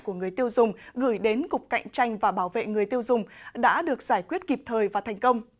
của người tiêu dùng gửi đến cục cạnh tranh và bảo vệ người tiêu dùng đã được giải quyết kịp thời và thành công